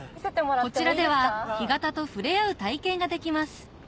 こちらでは干潟と触れ合う体験ができます